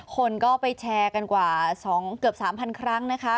คนก็ไปแชร์กันกว่าเกือบ๓๐๐ครั้งนะคะ